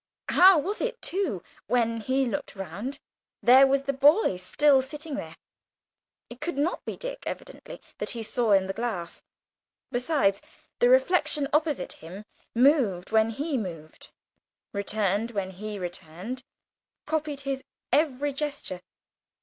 How was it, too, when he looked round, there was the boy still sitting there? It could not be Dick, evidently, that he saw in the glass. Besides, the reflection opposite him moved when he moved, returned when he returned, copied his every gesture!